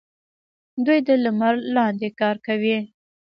دوی د لمر لاندې کار کوي.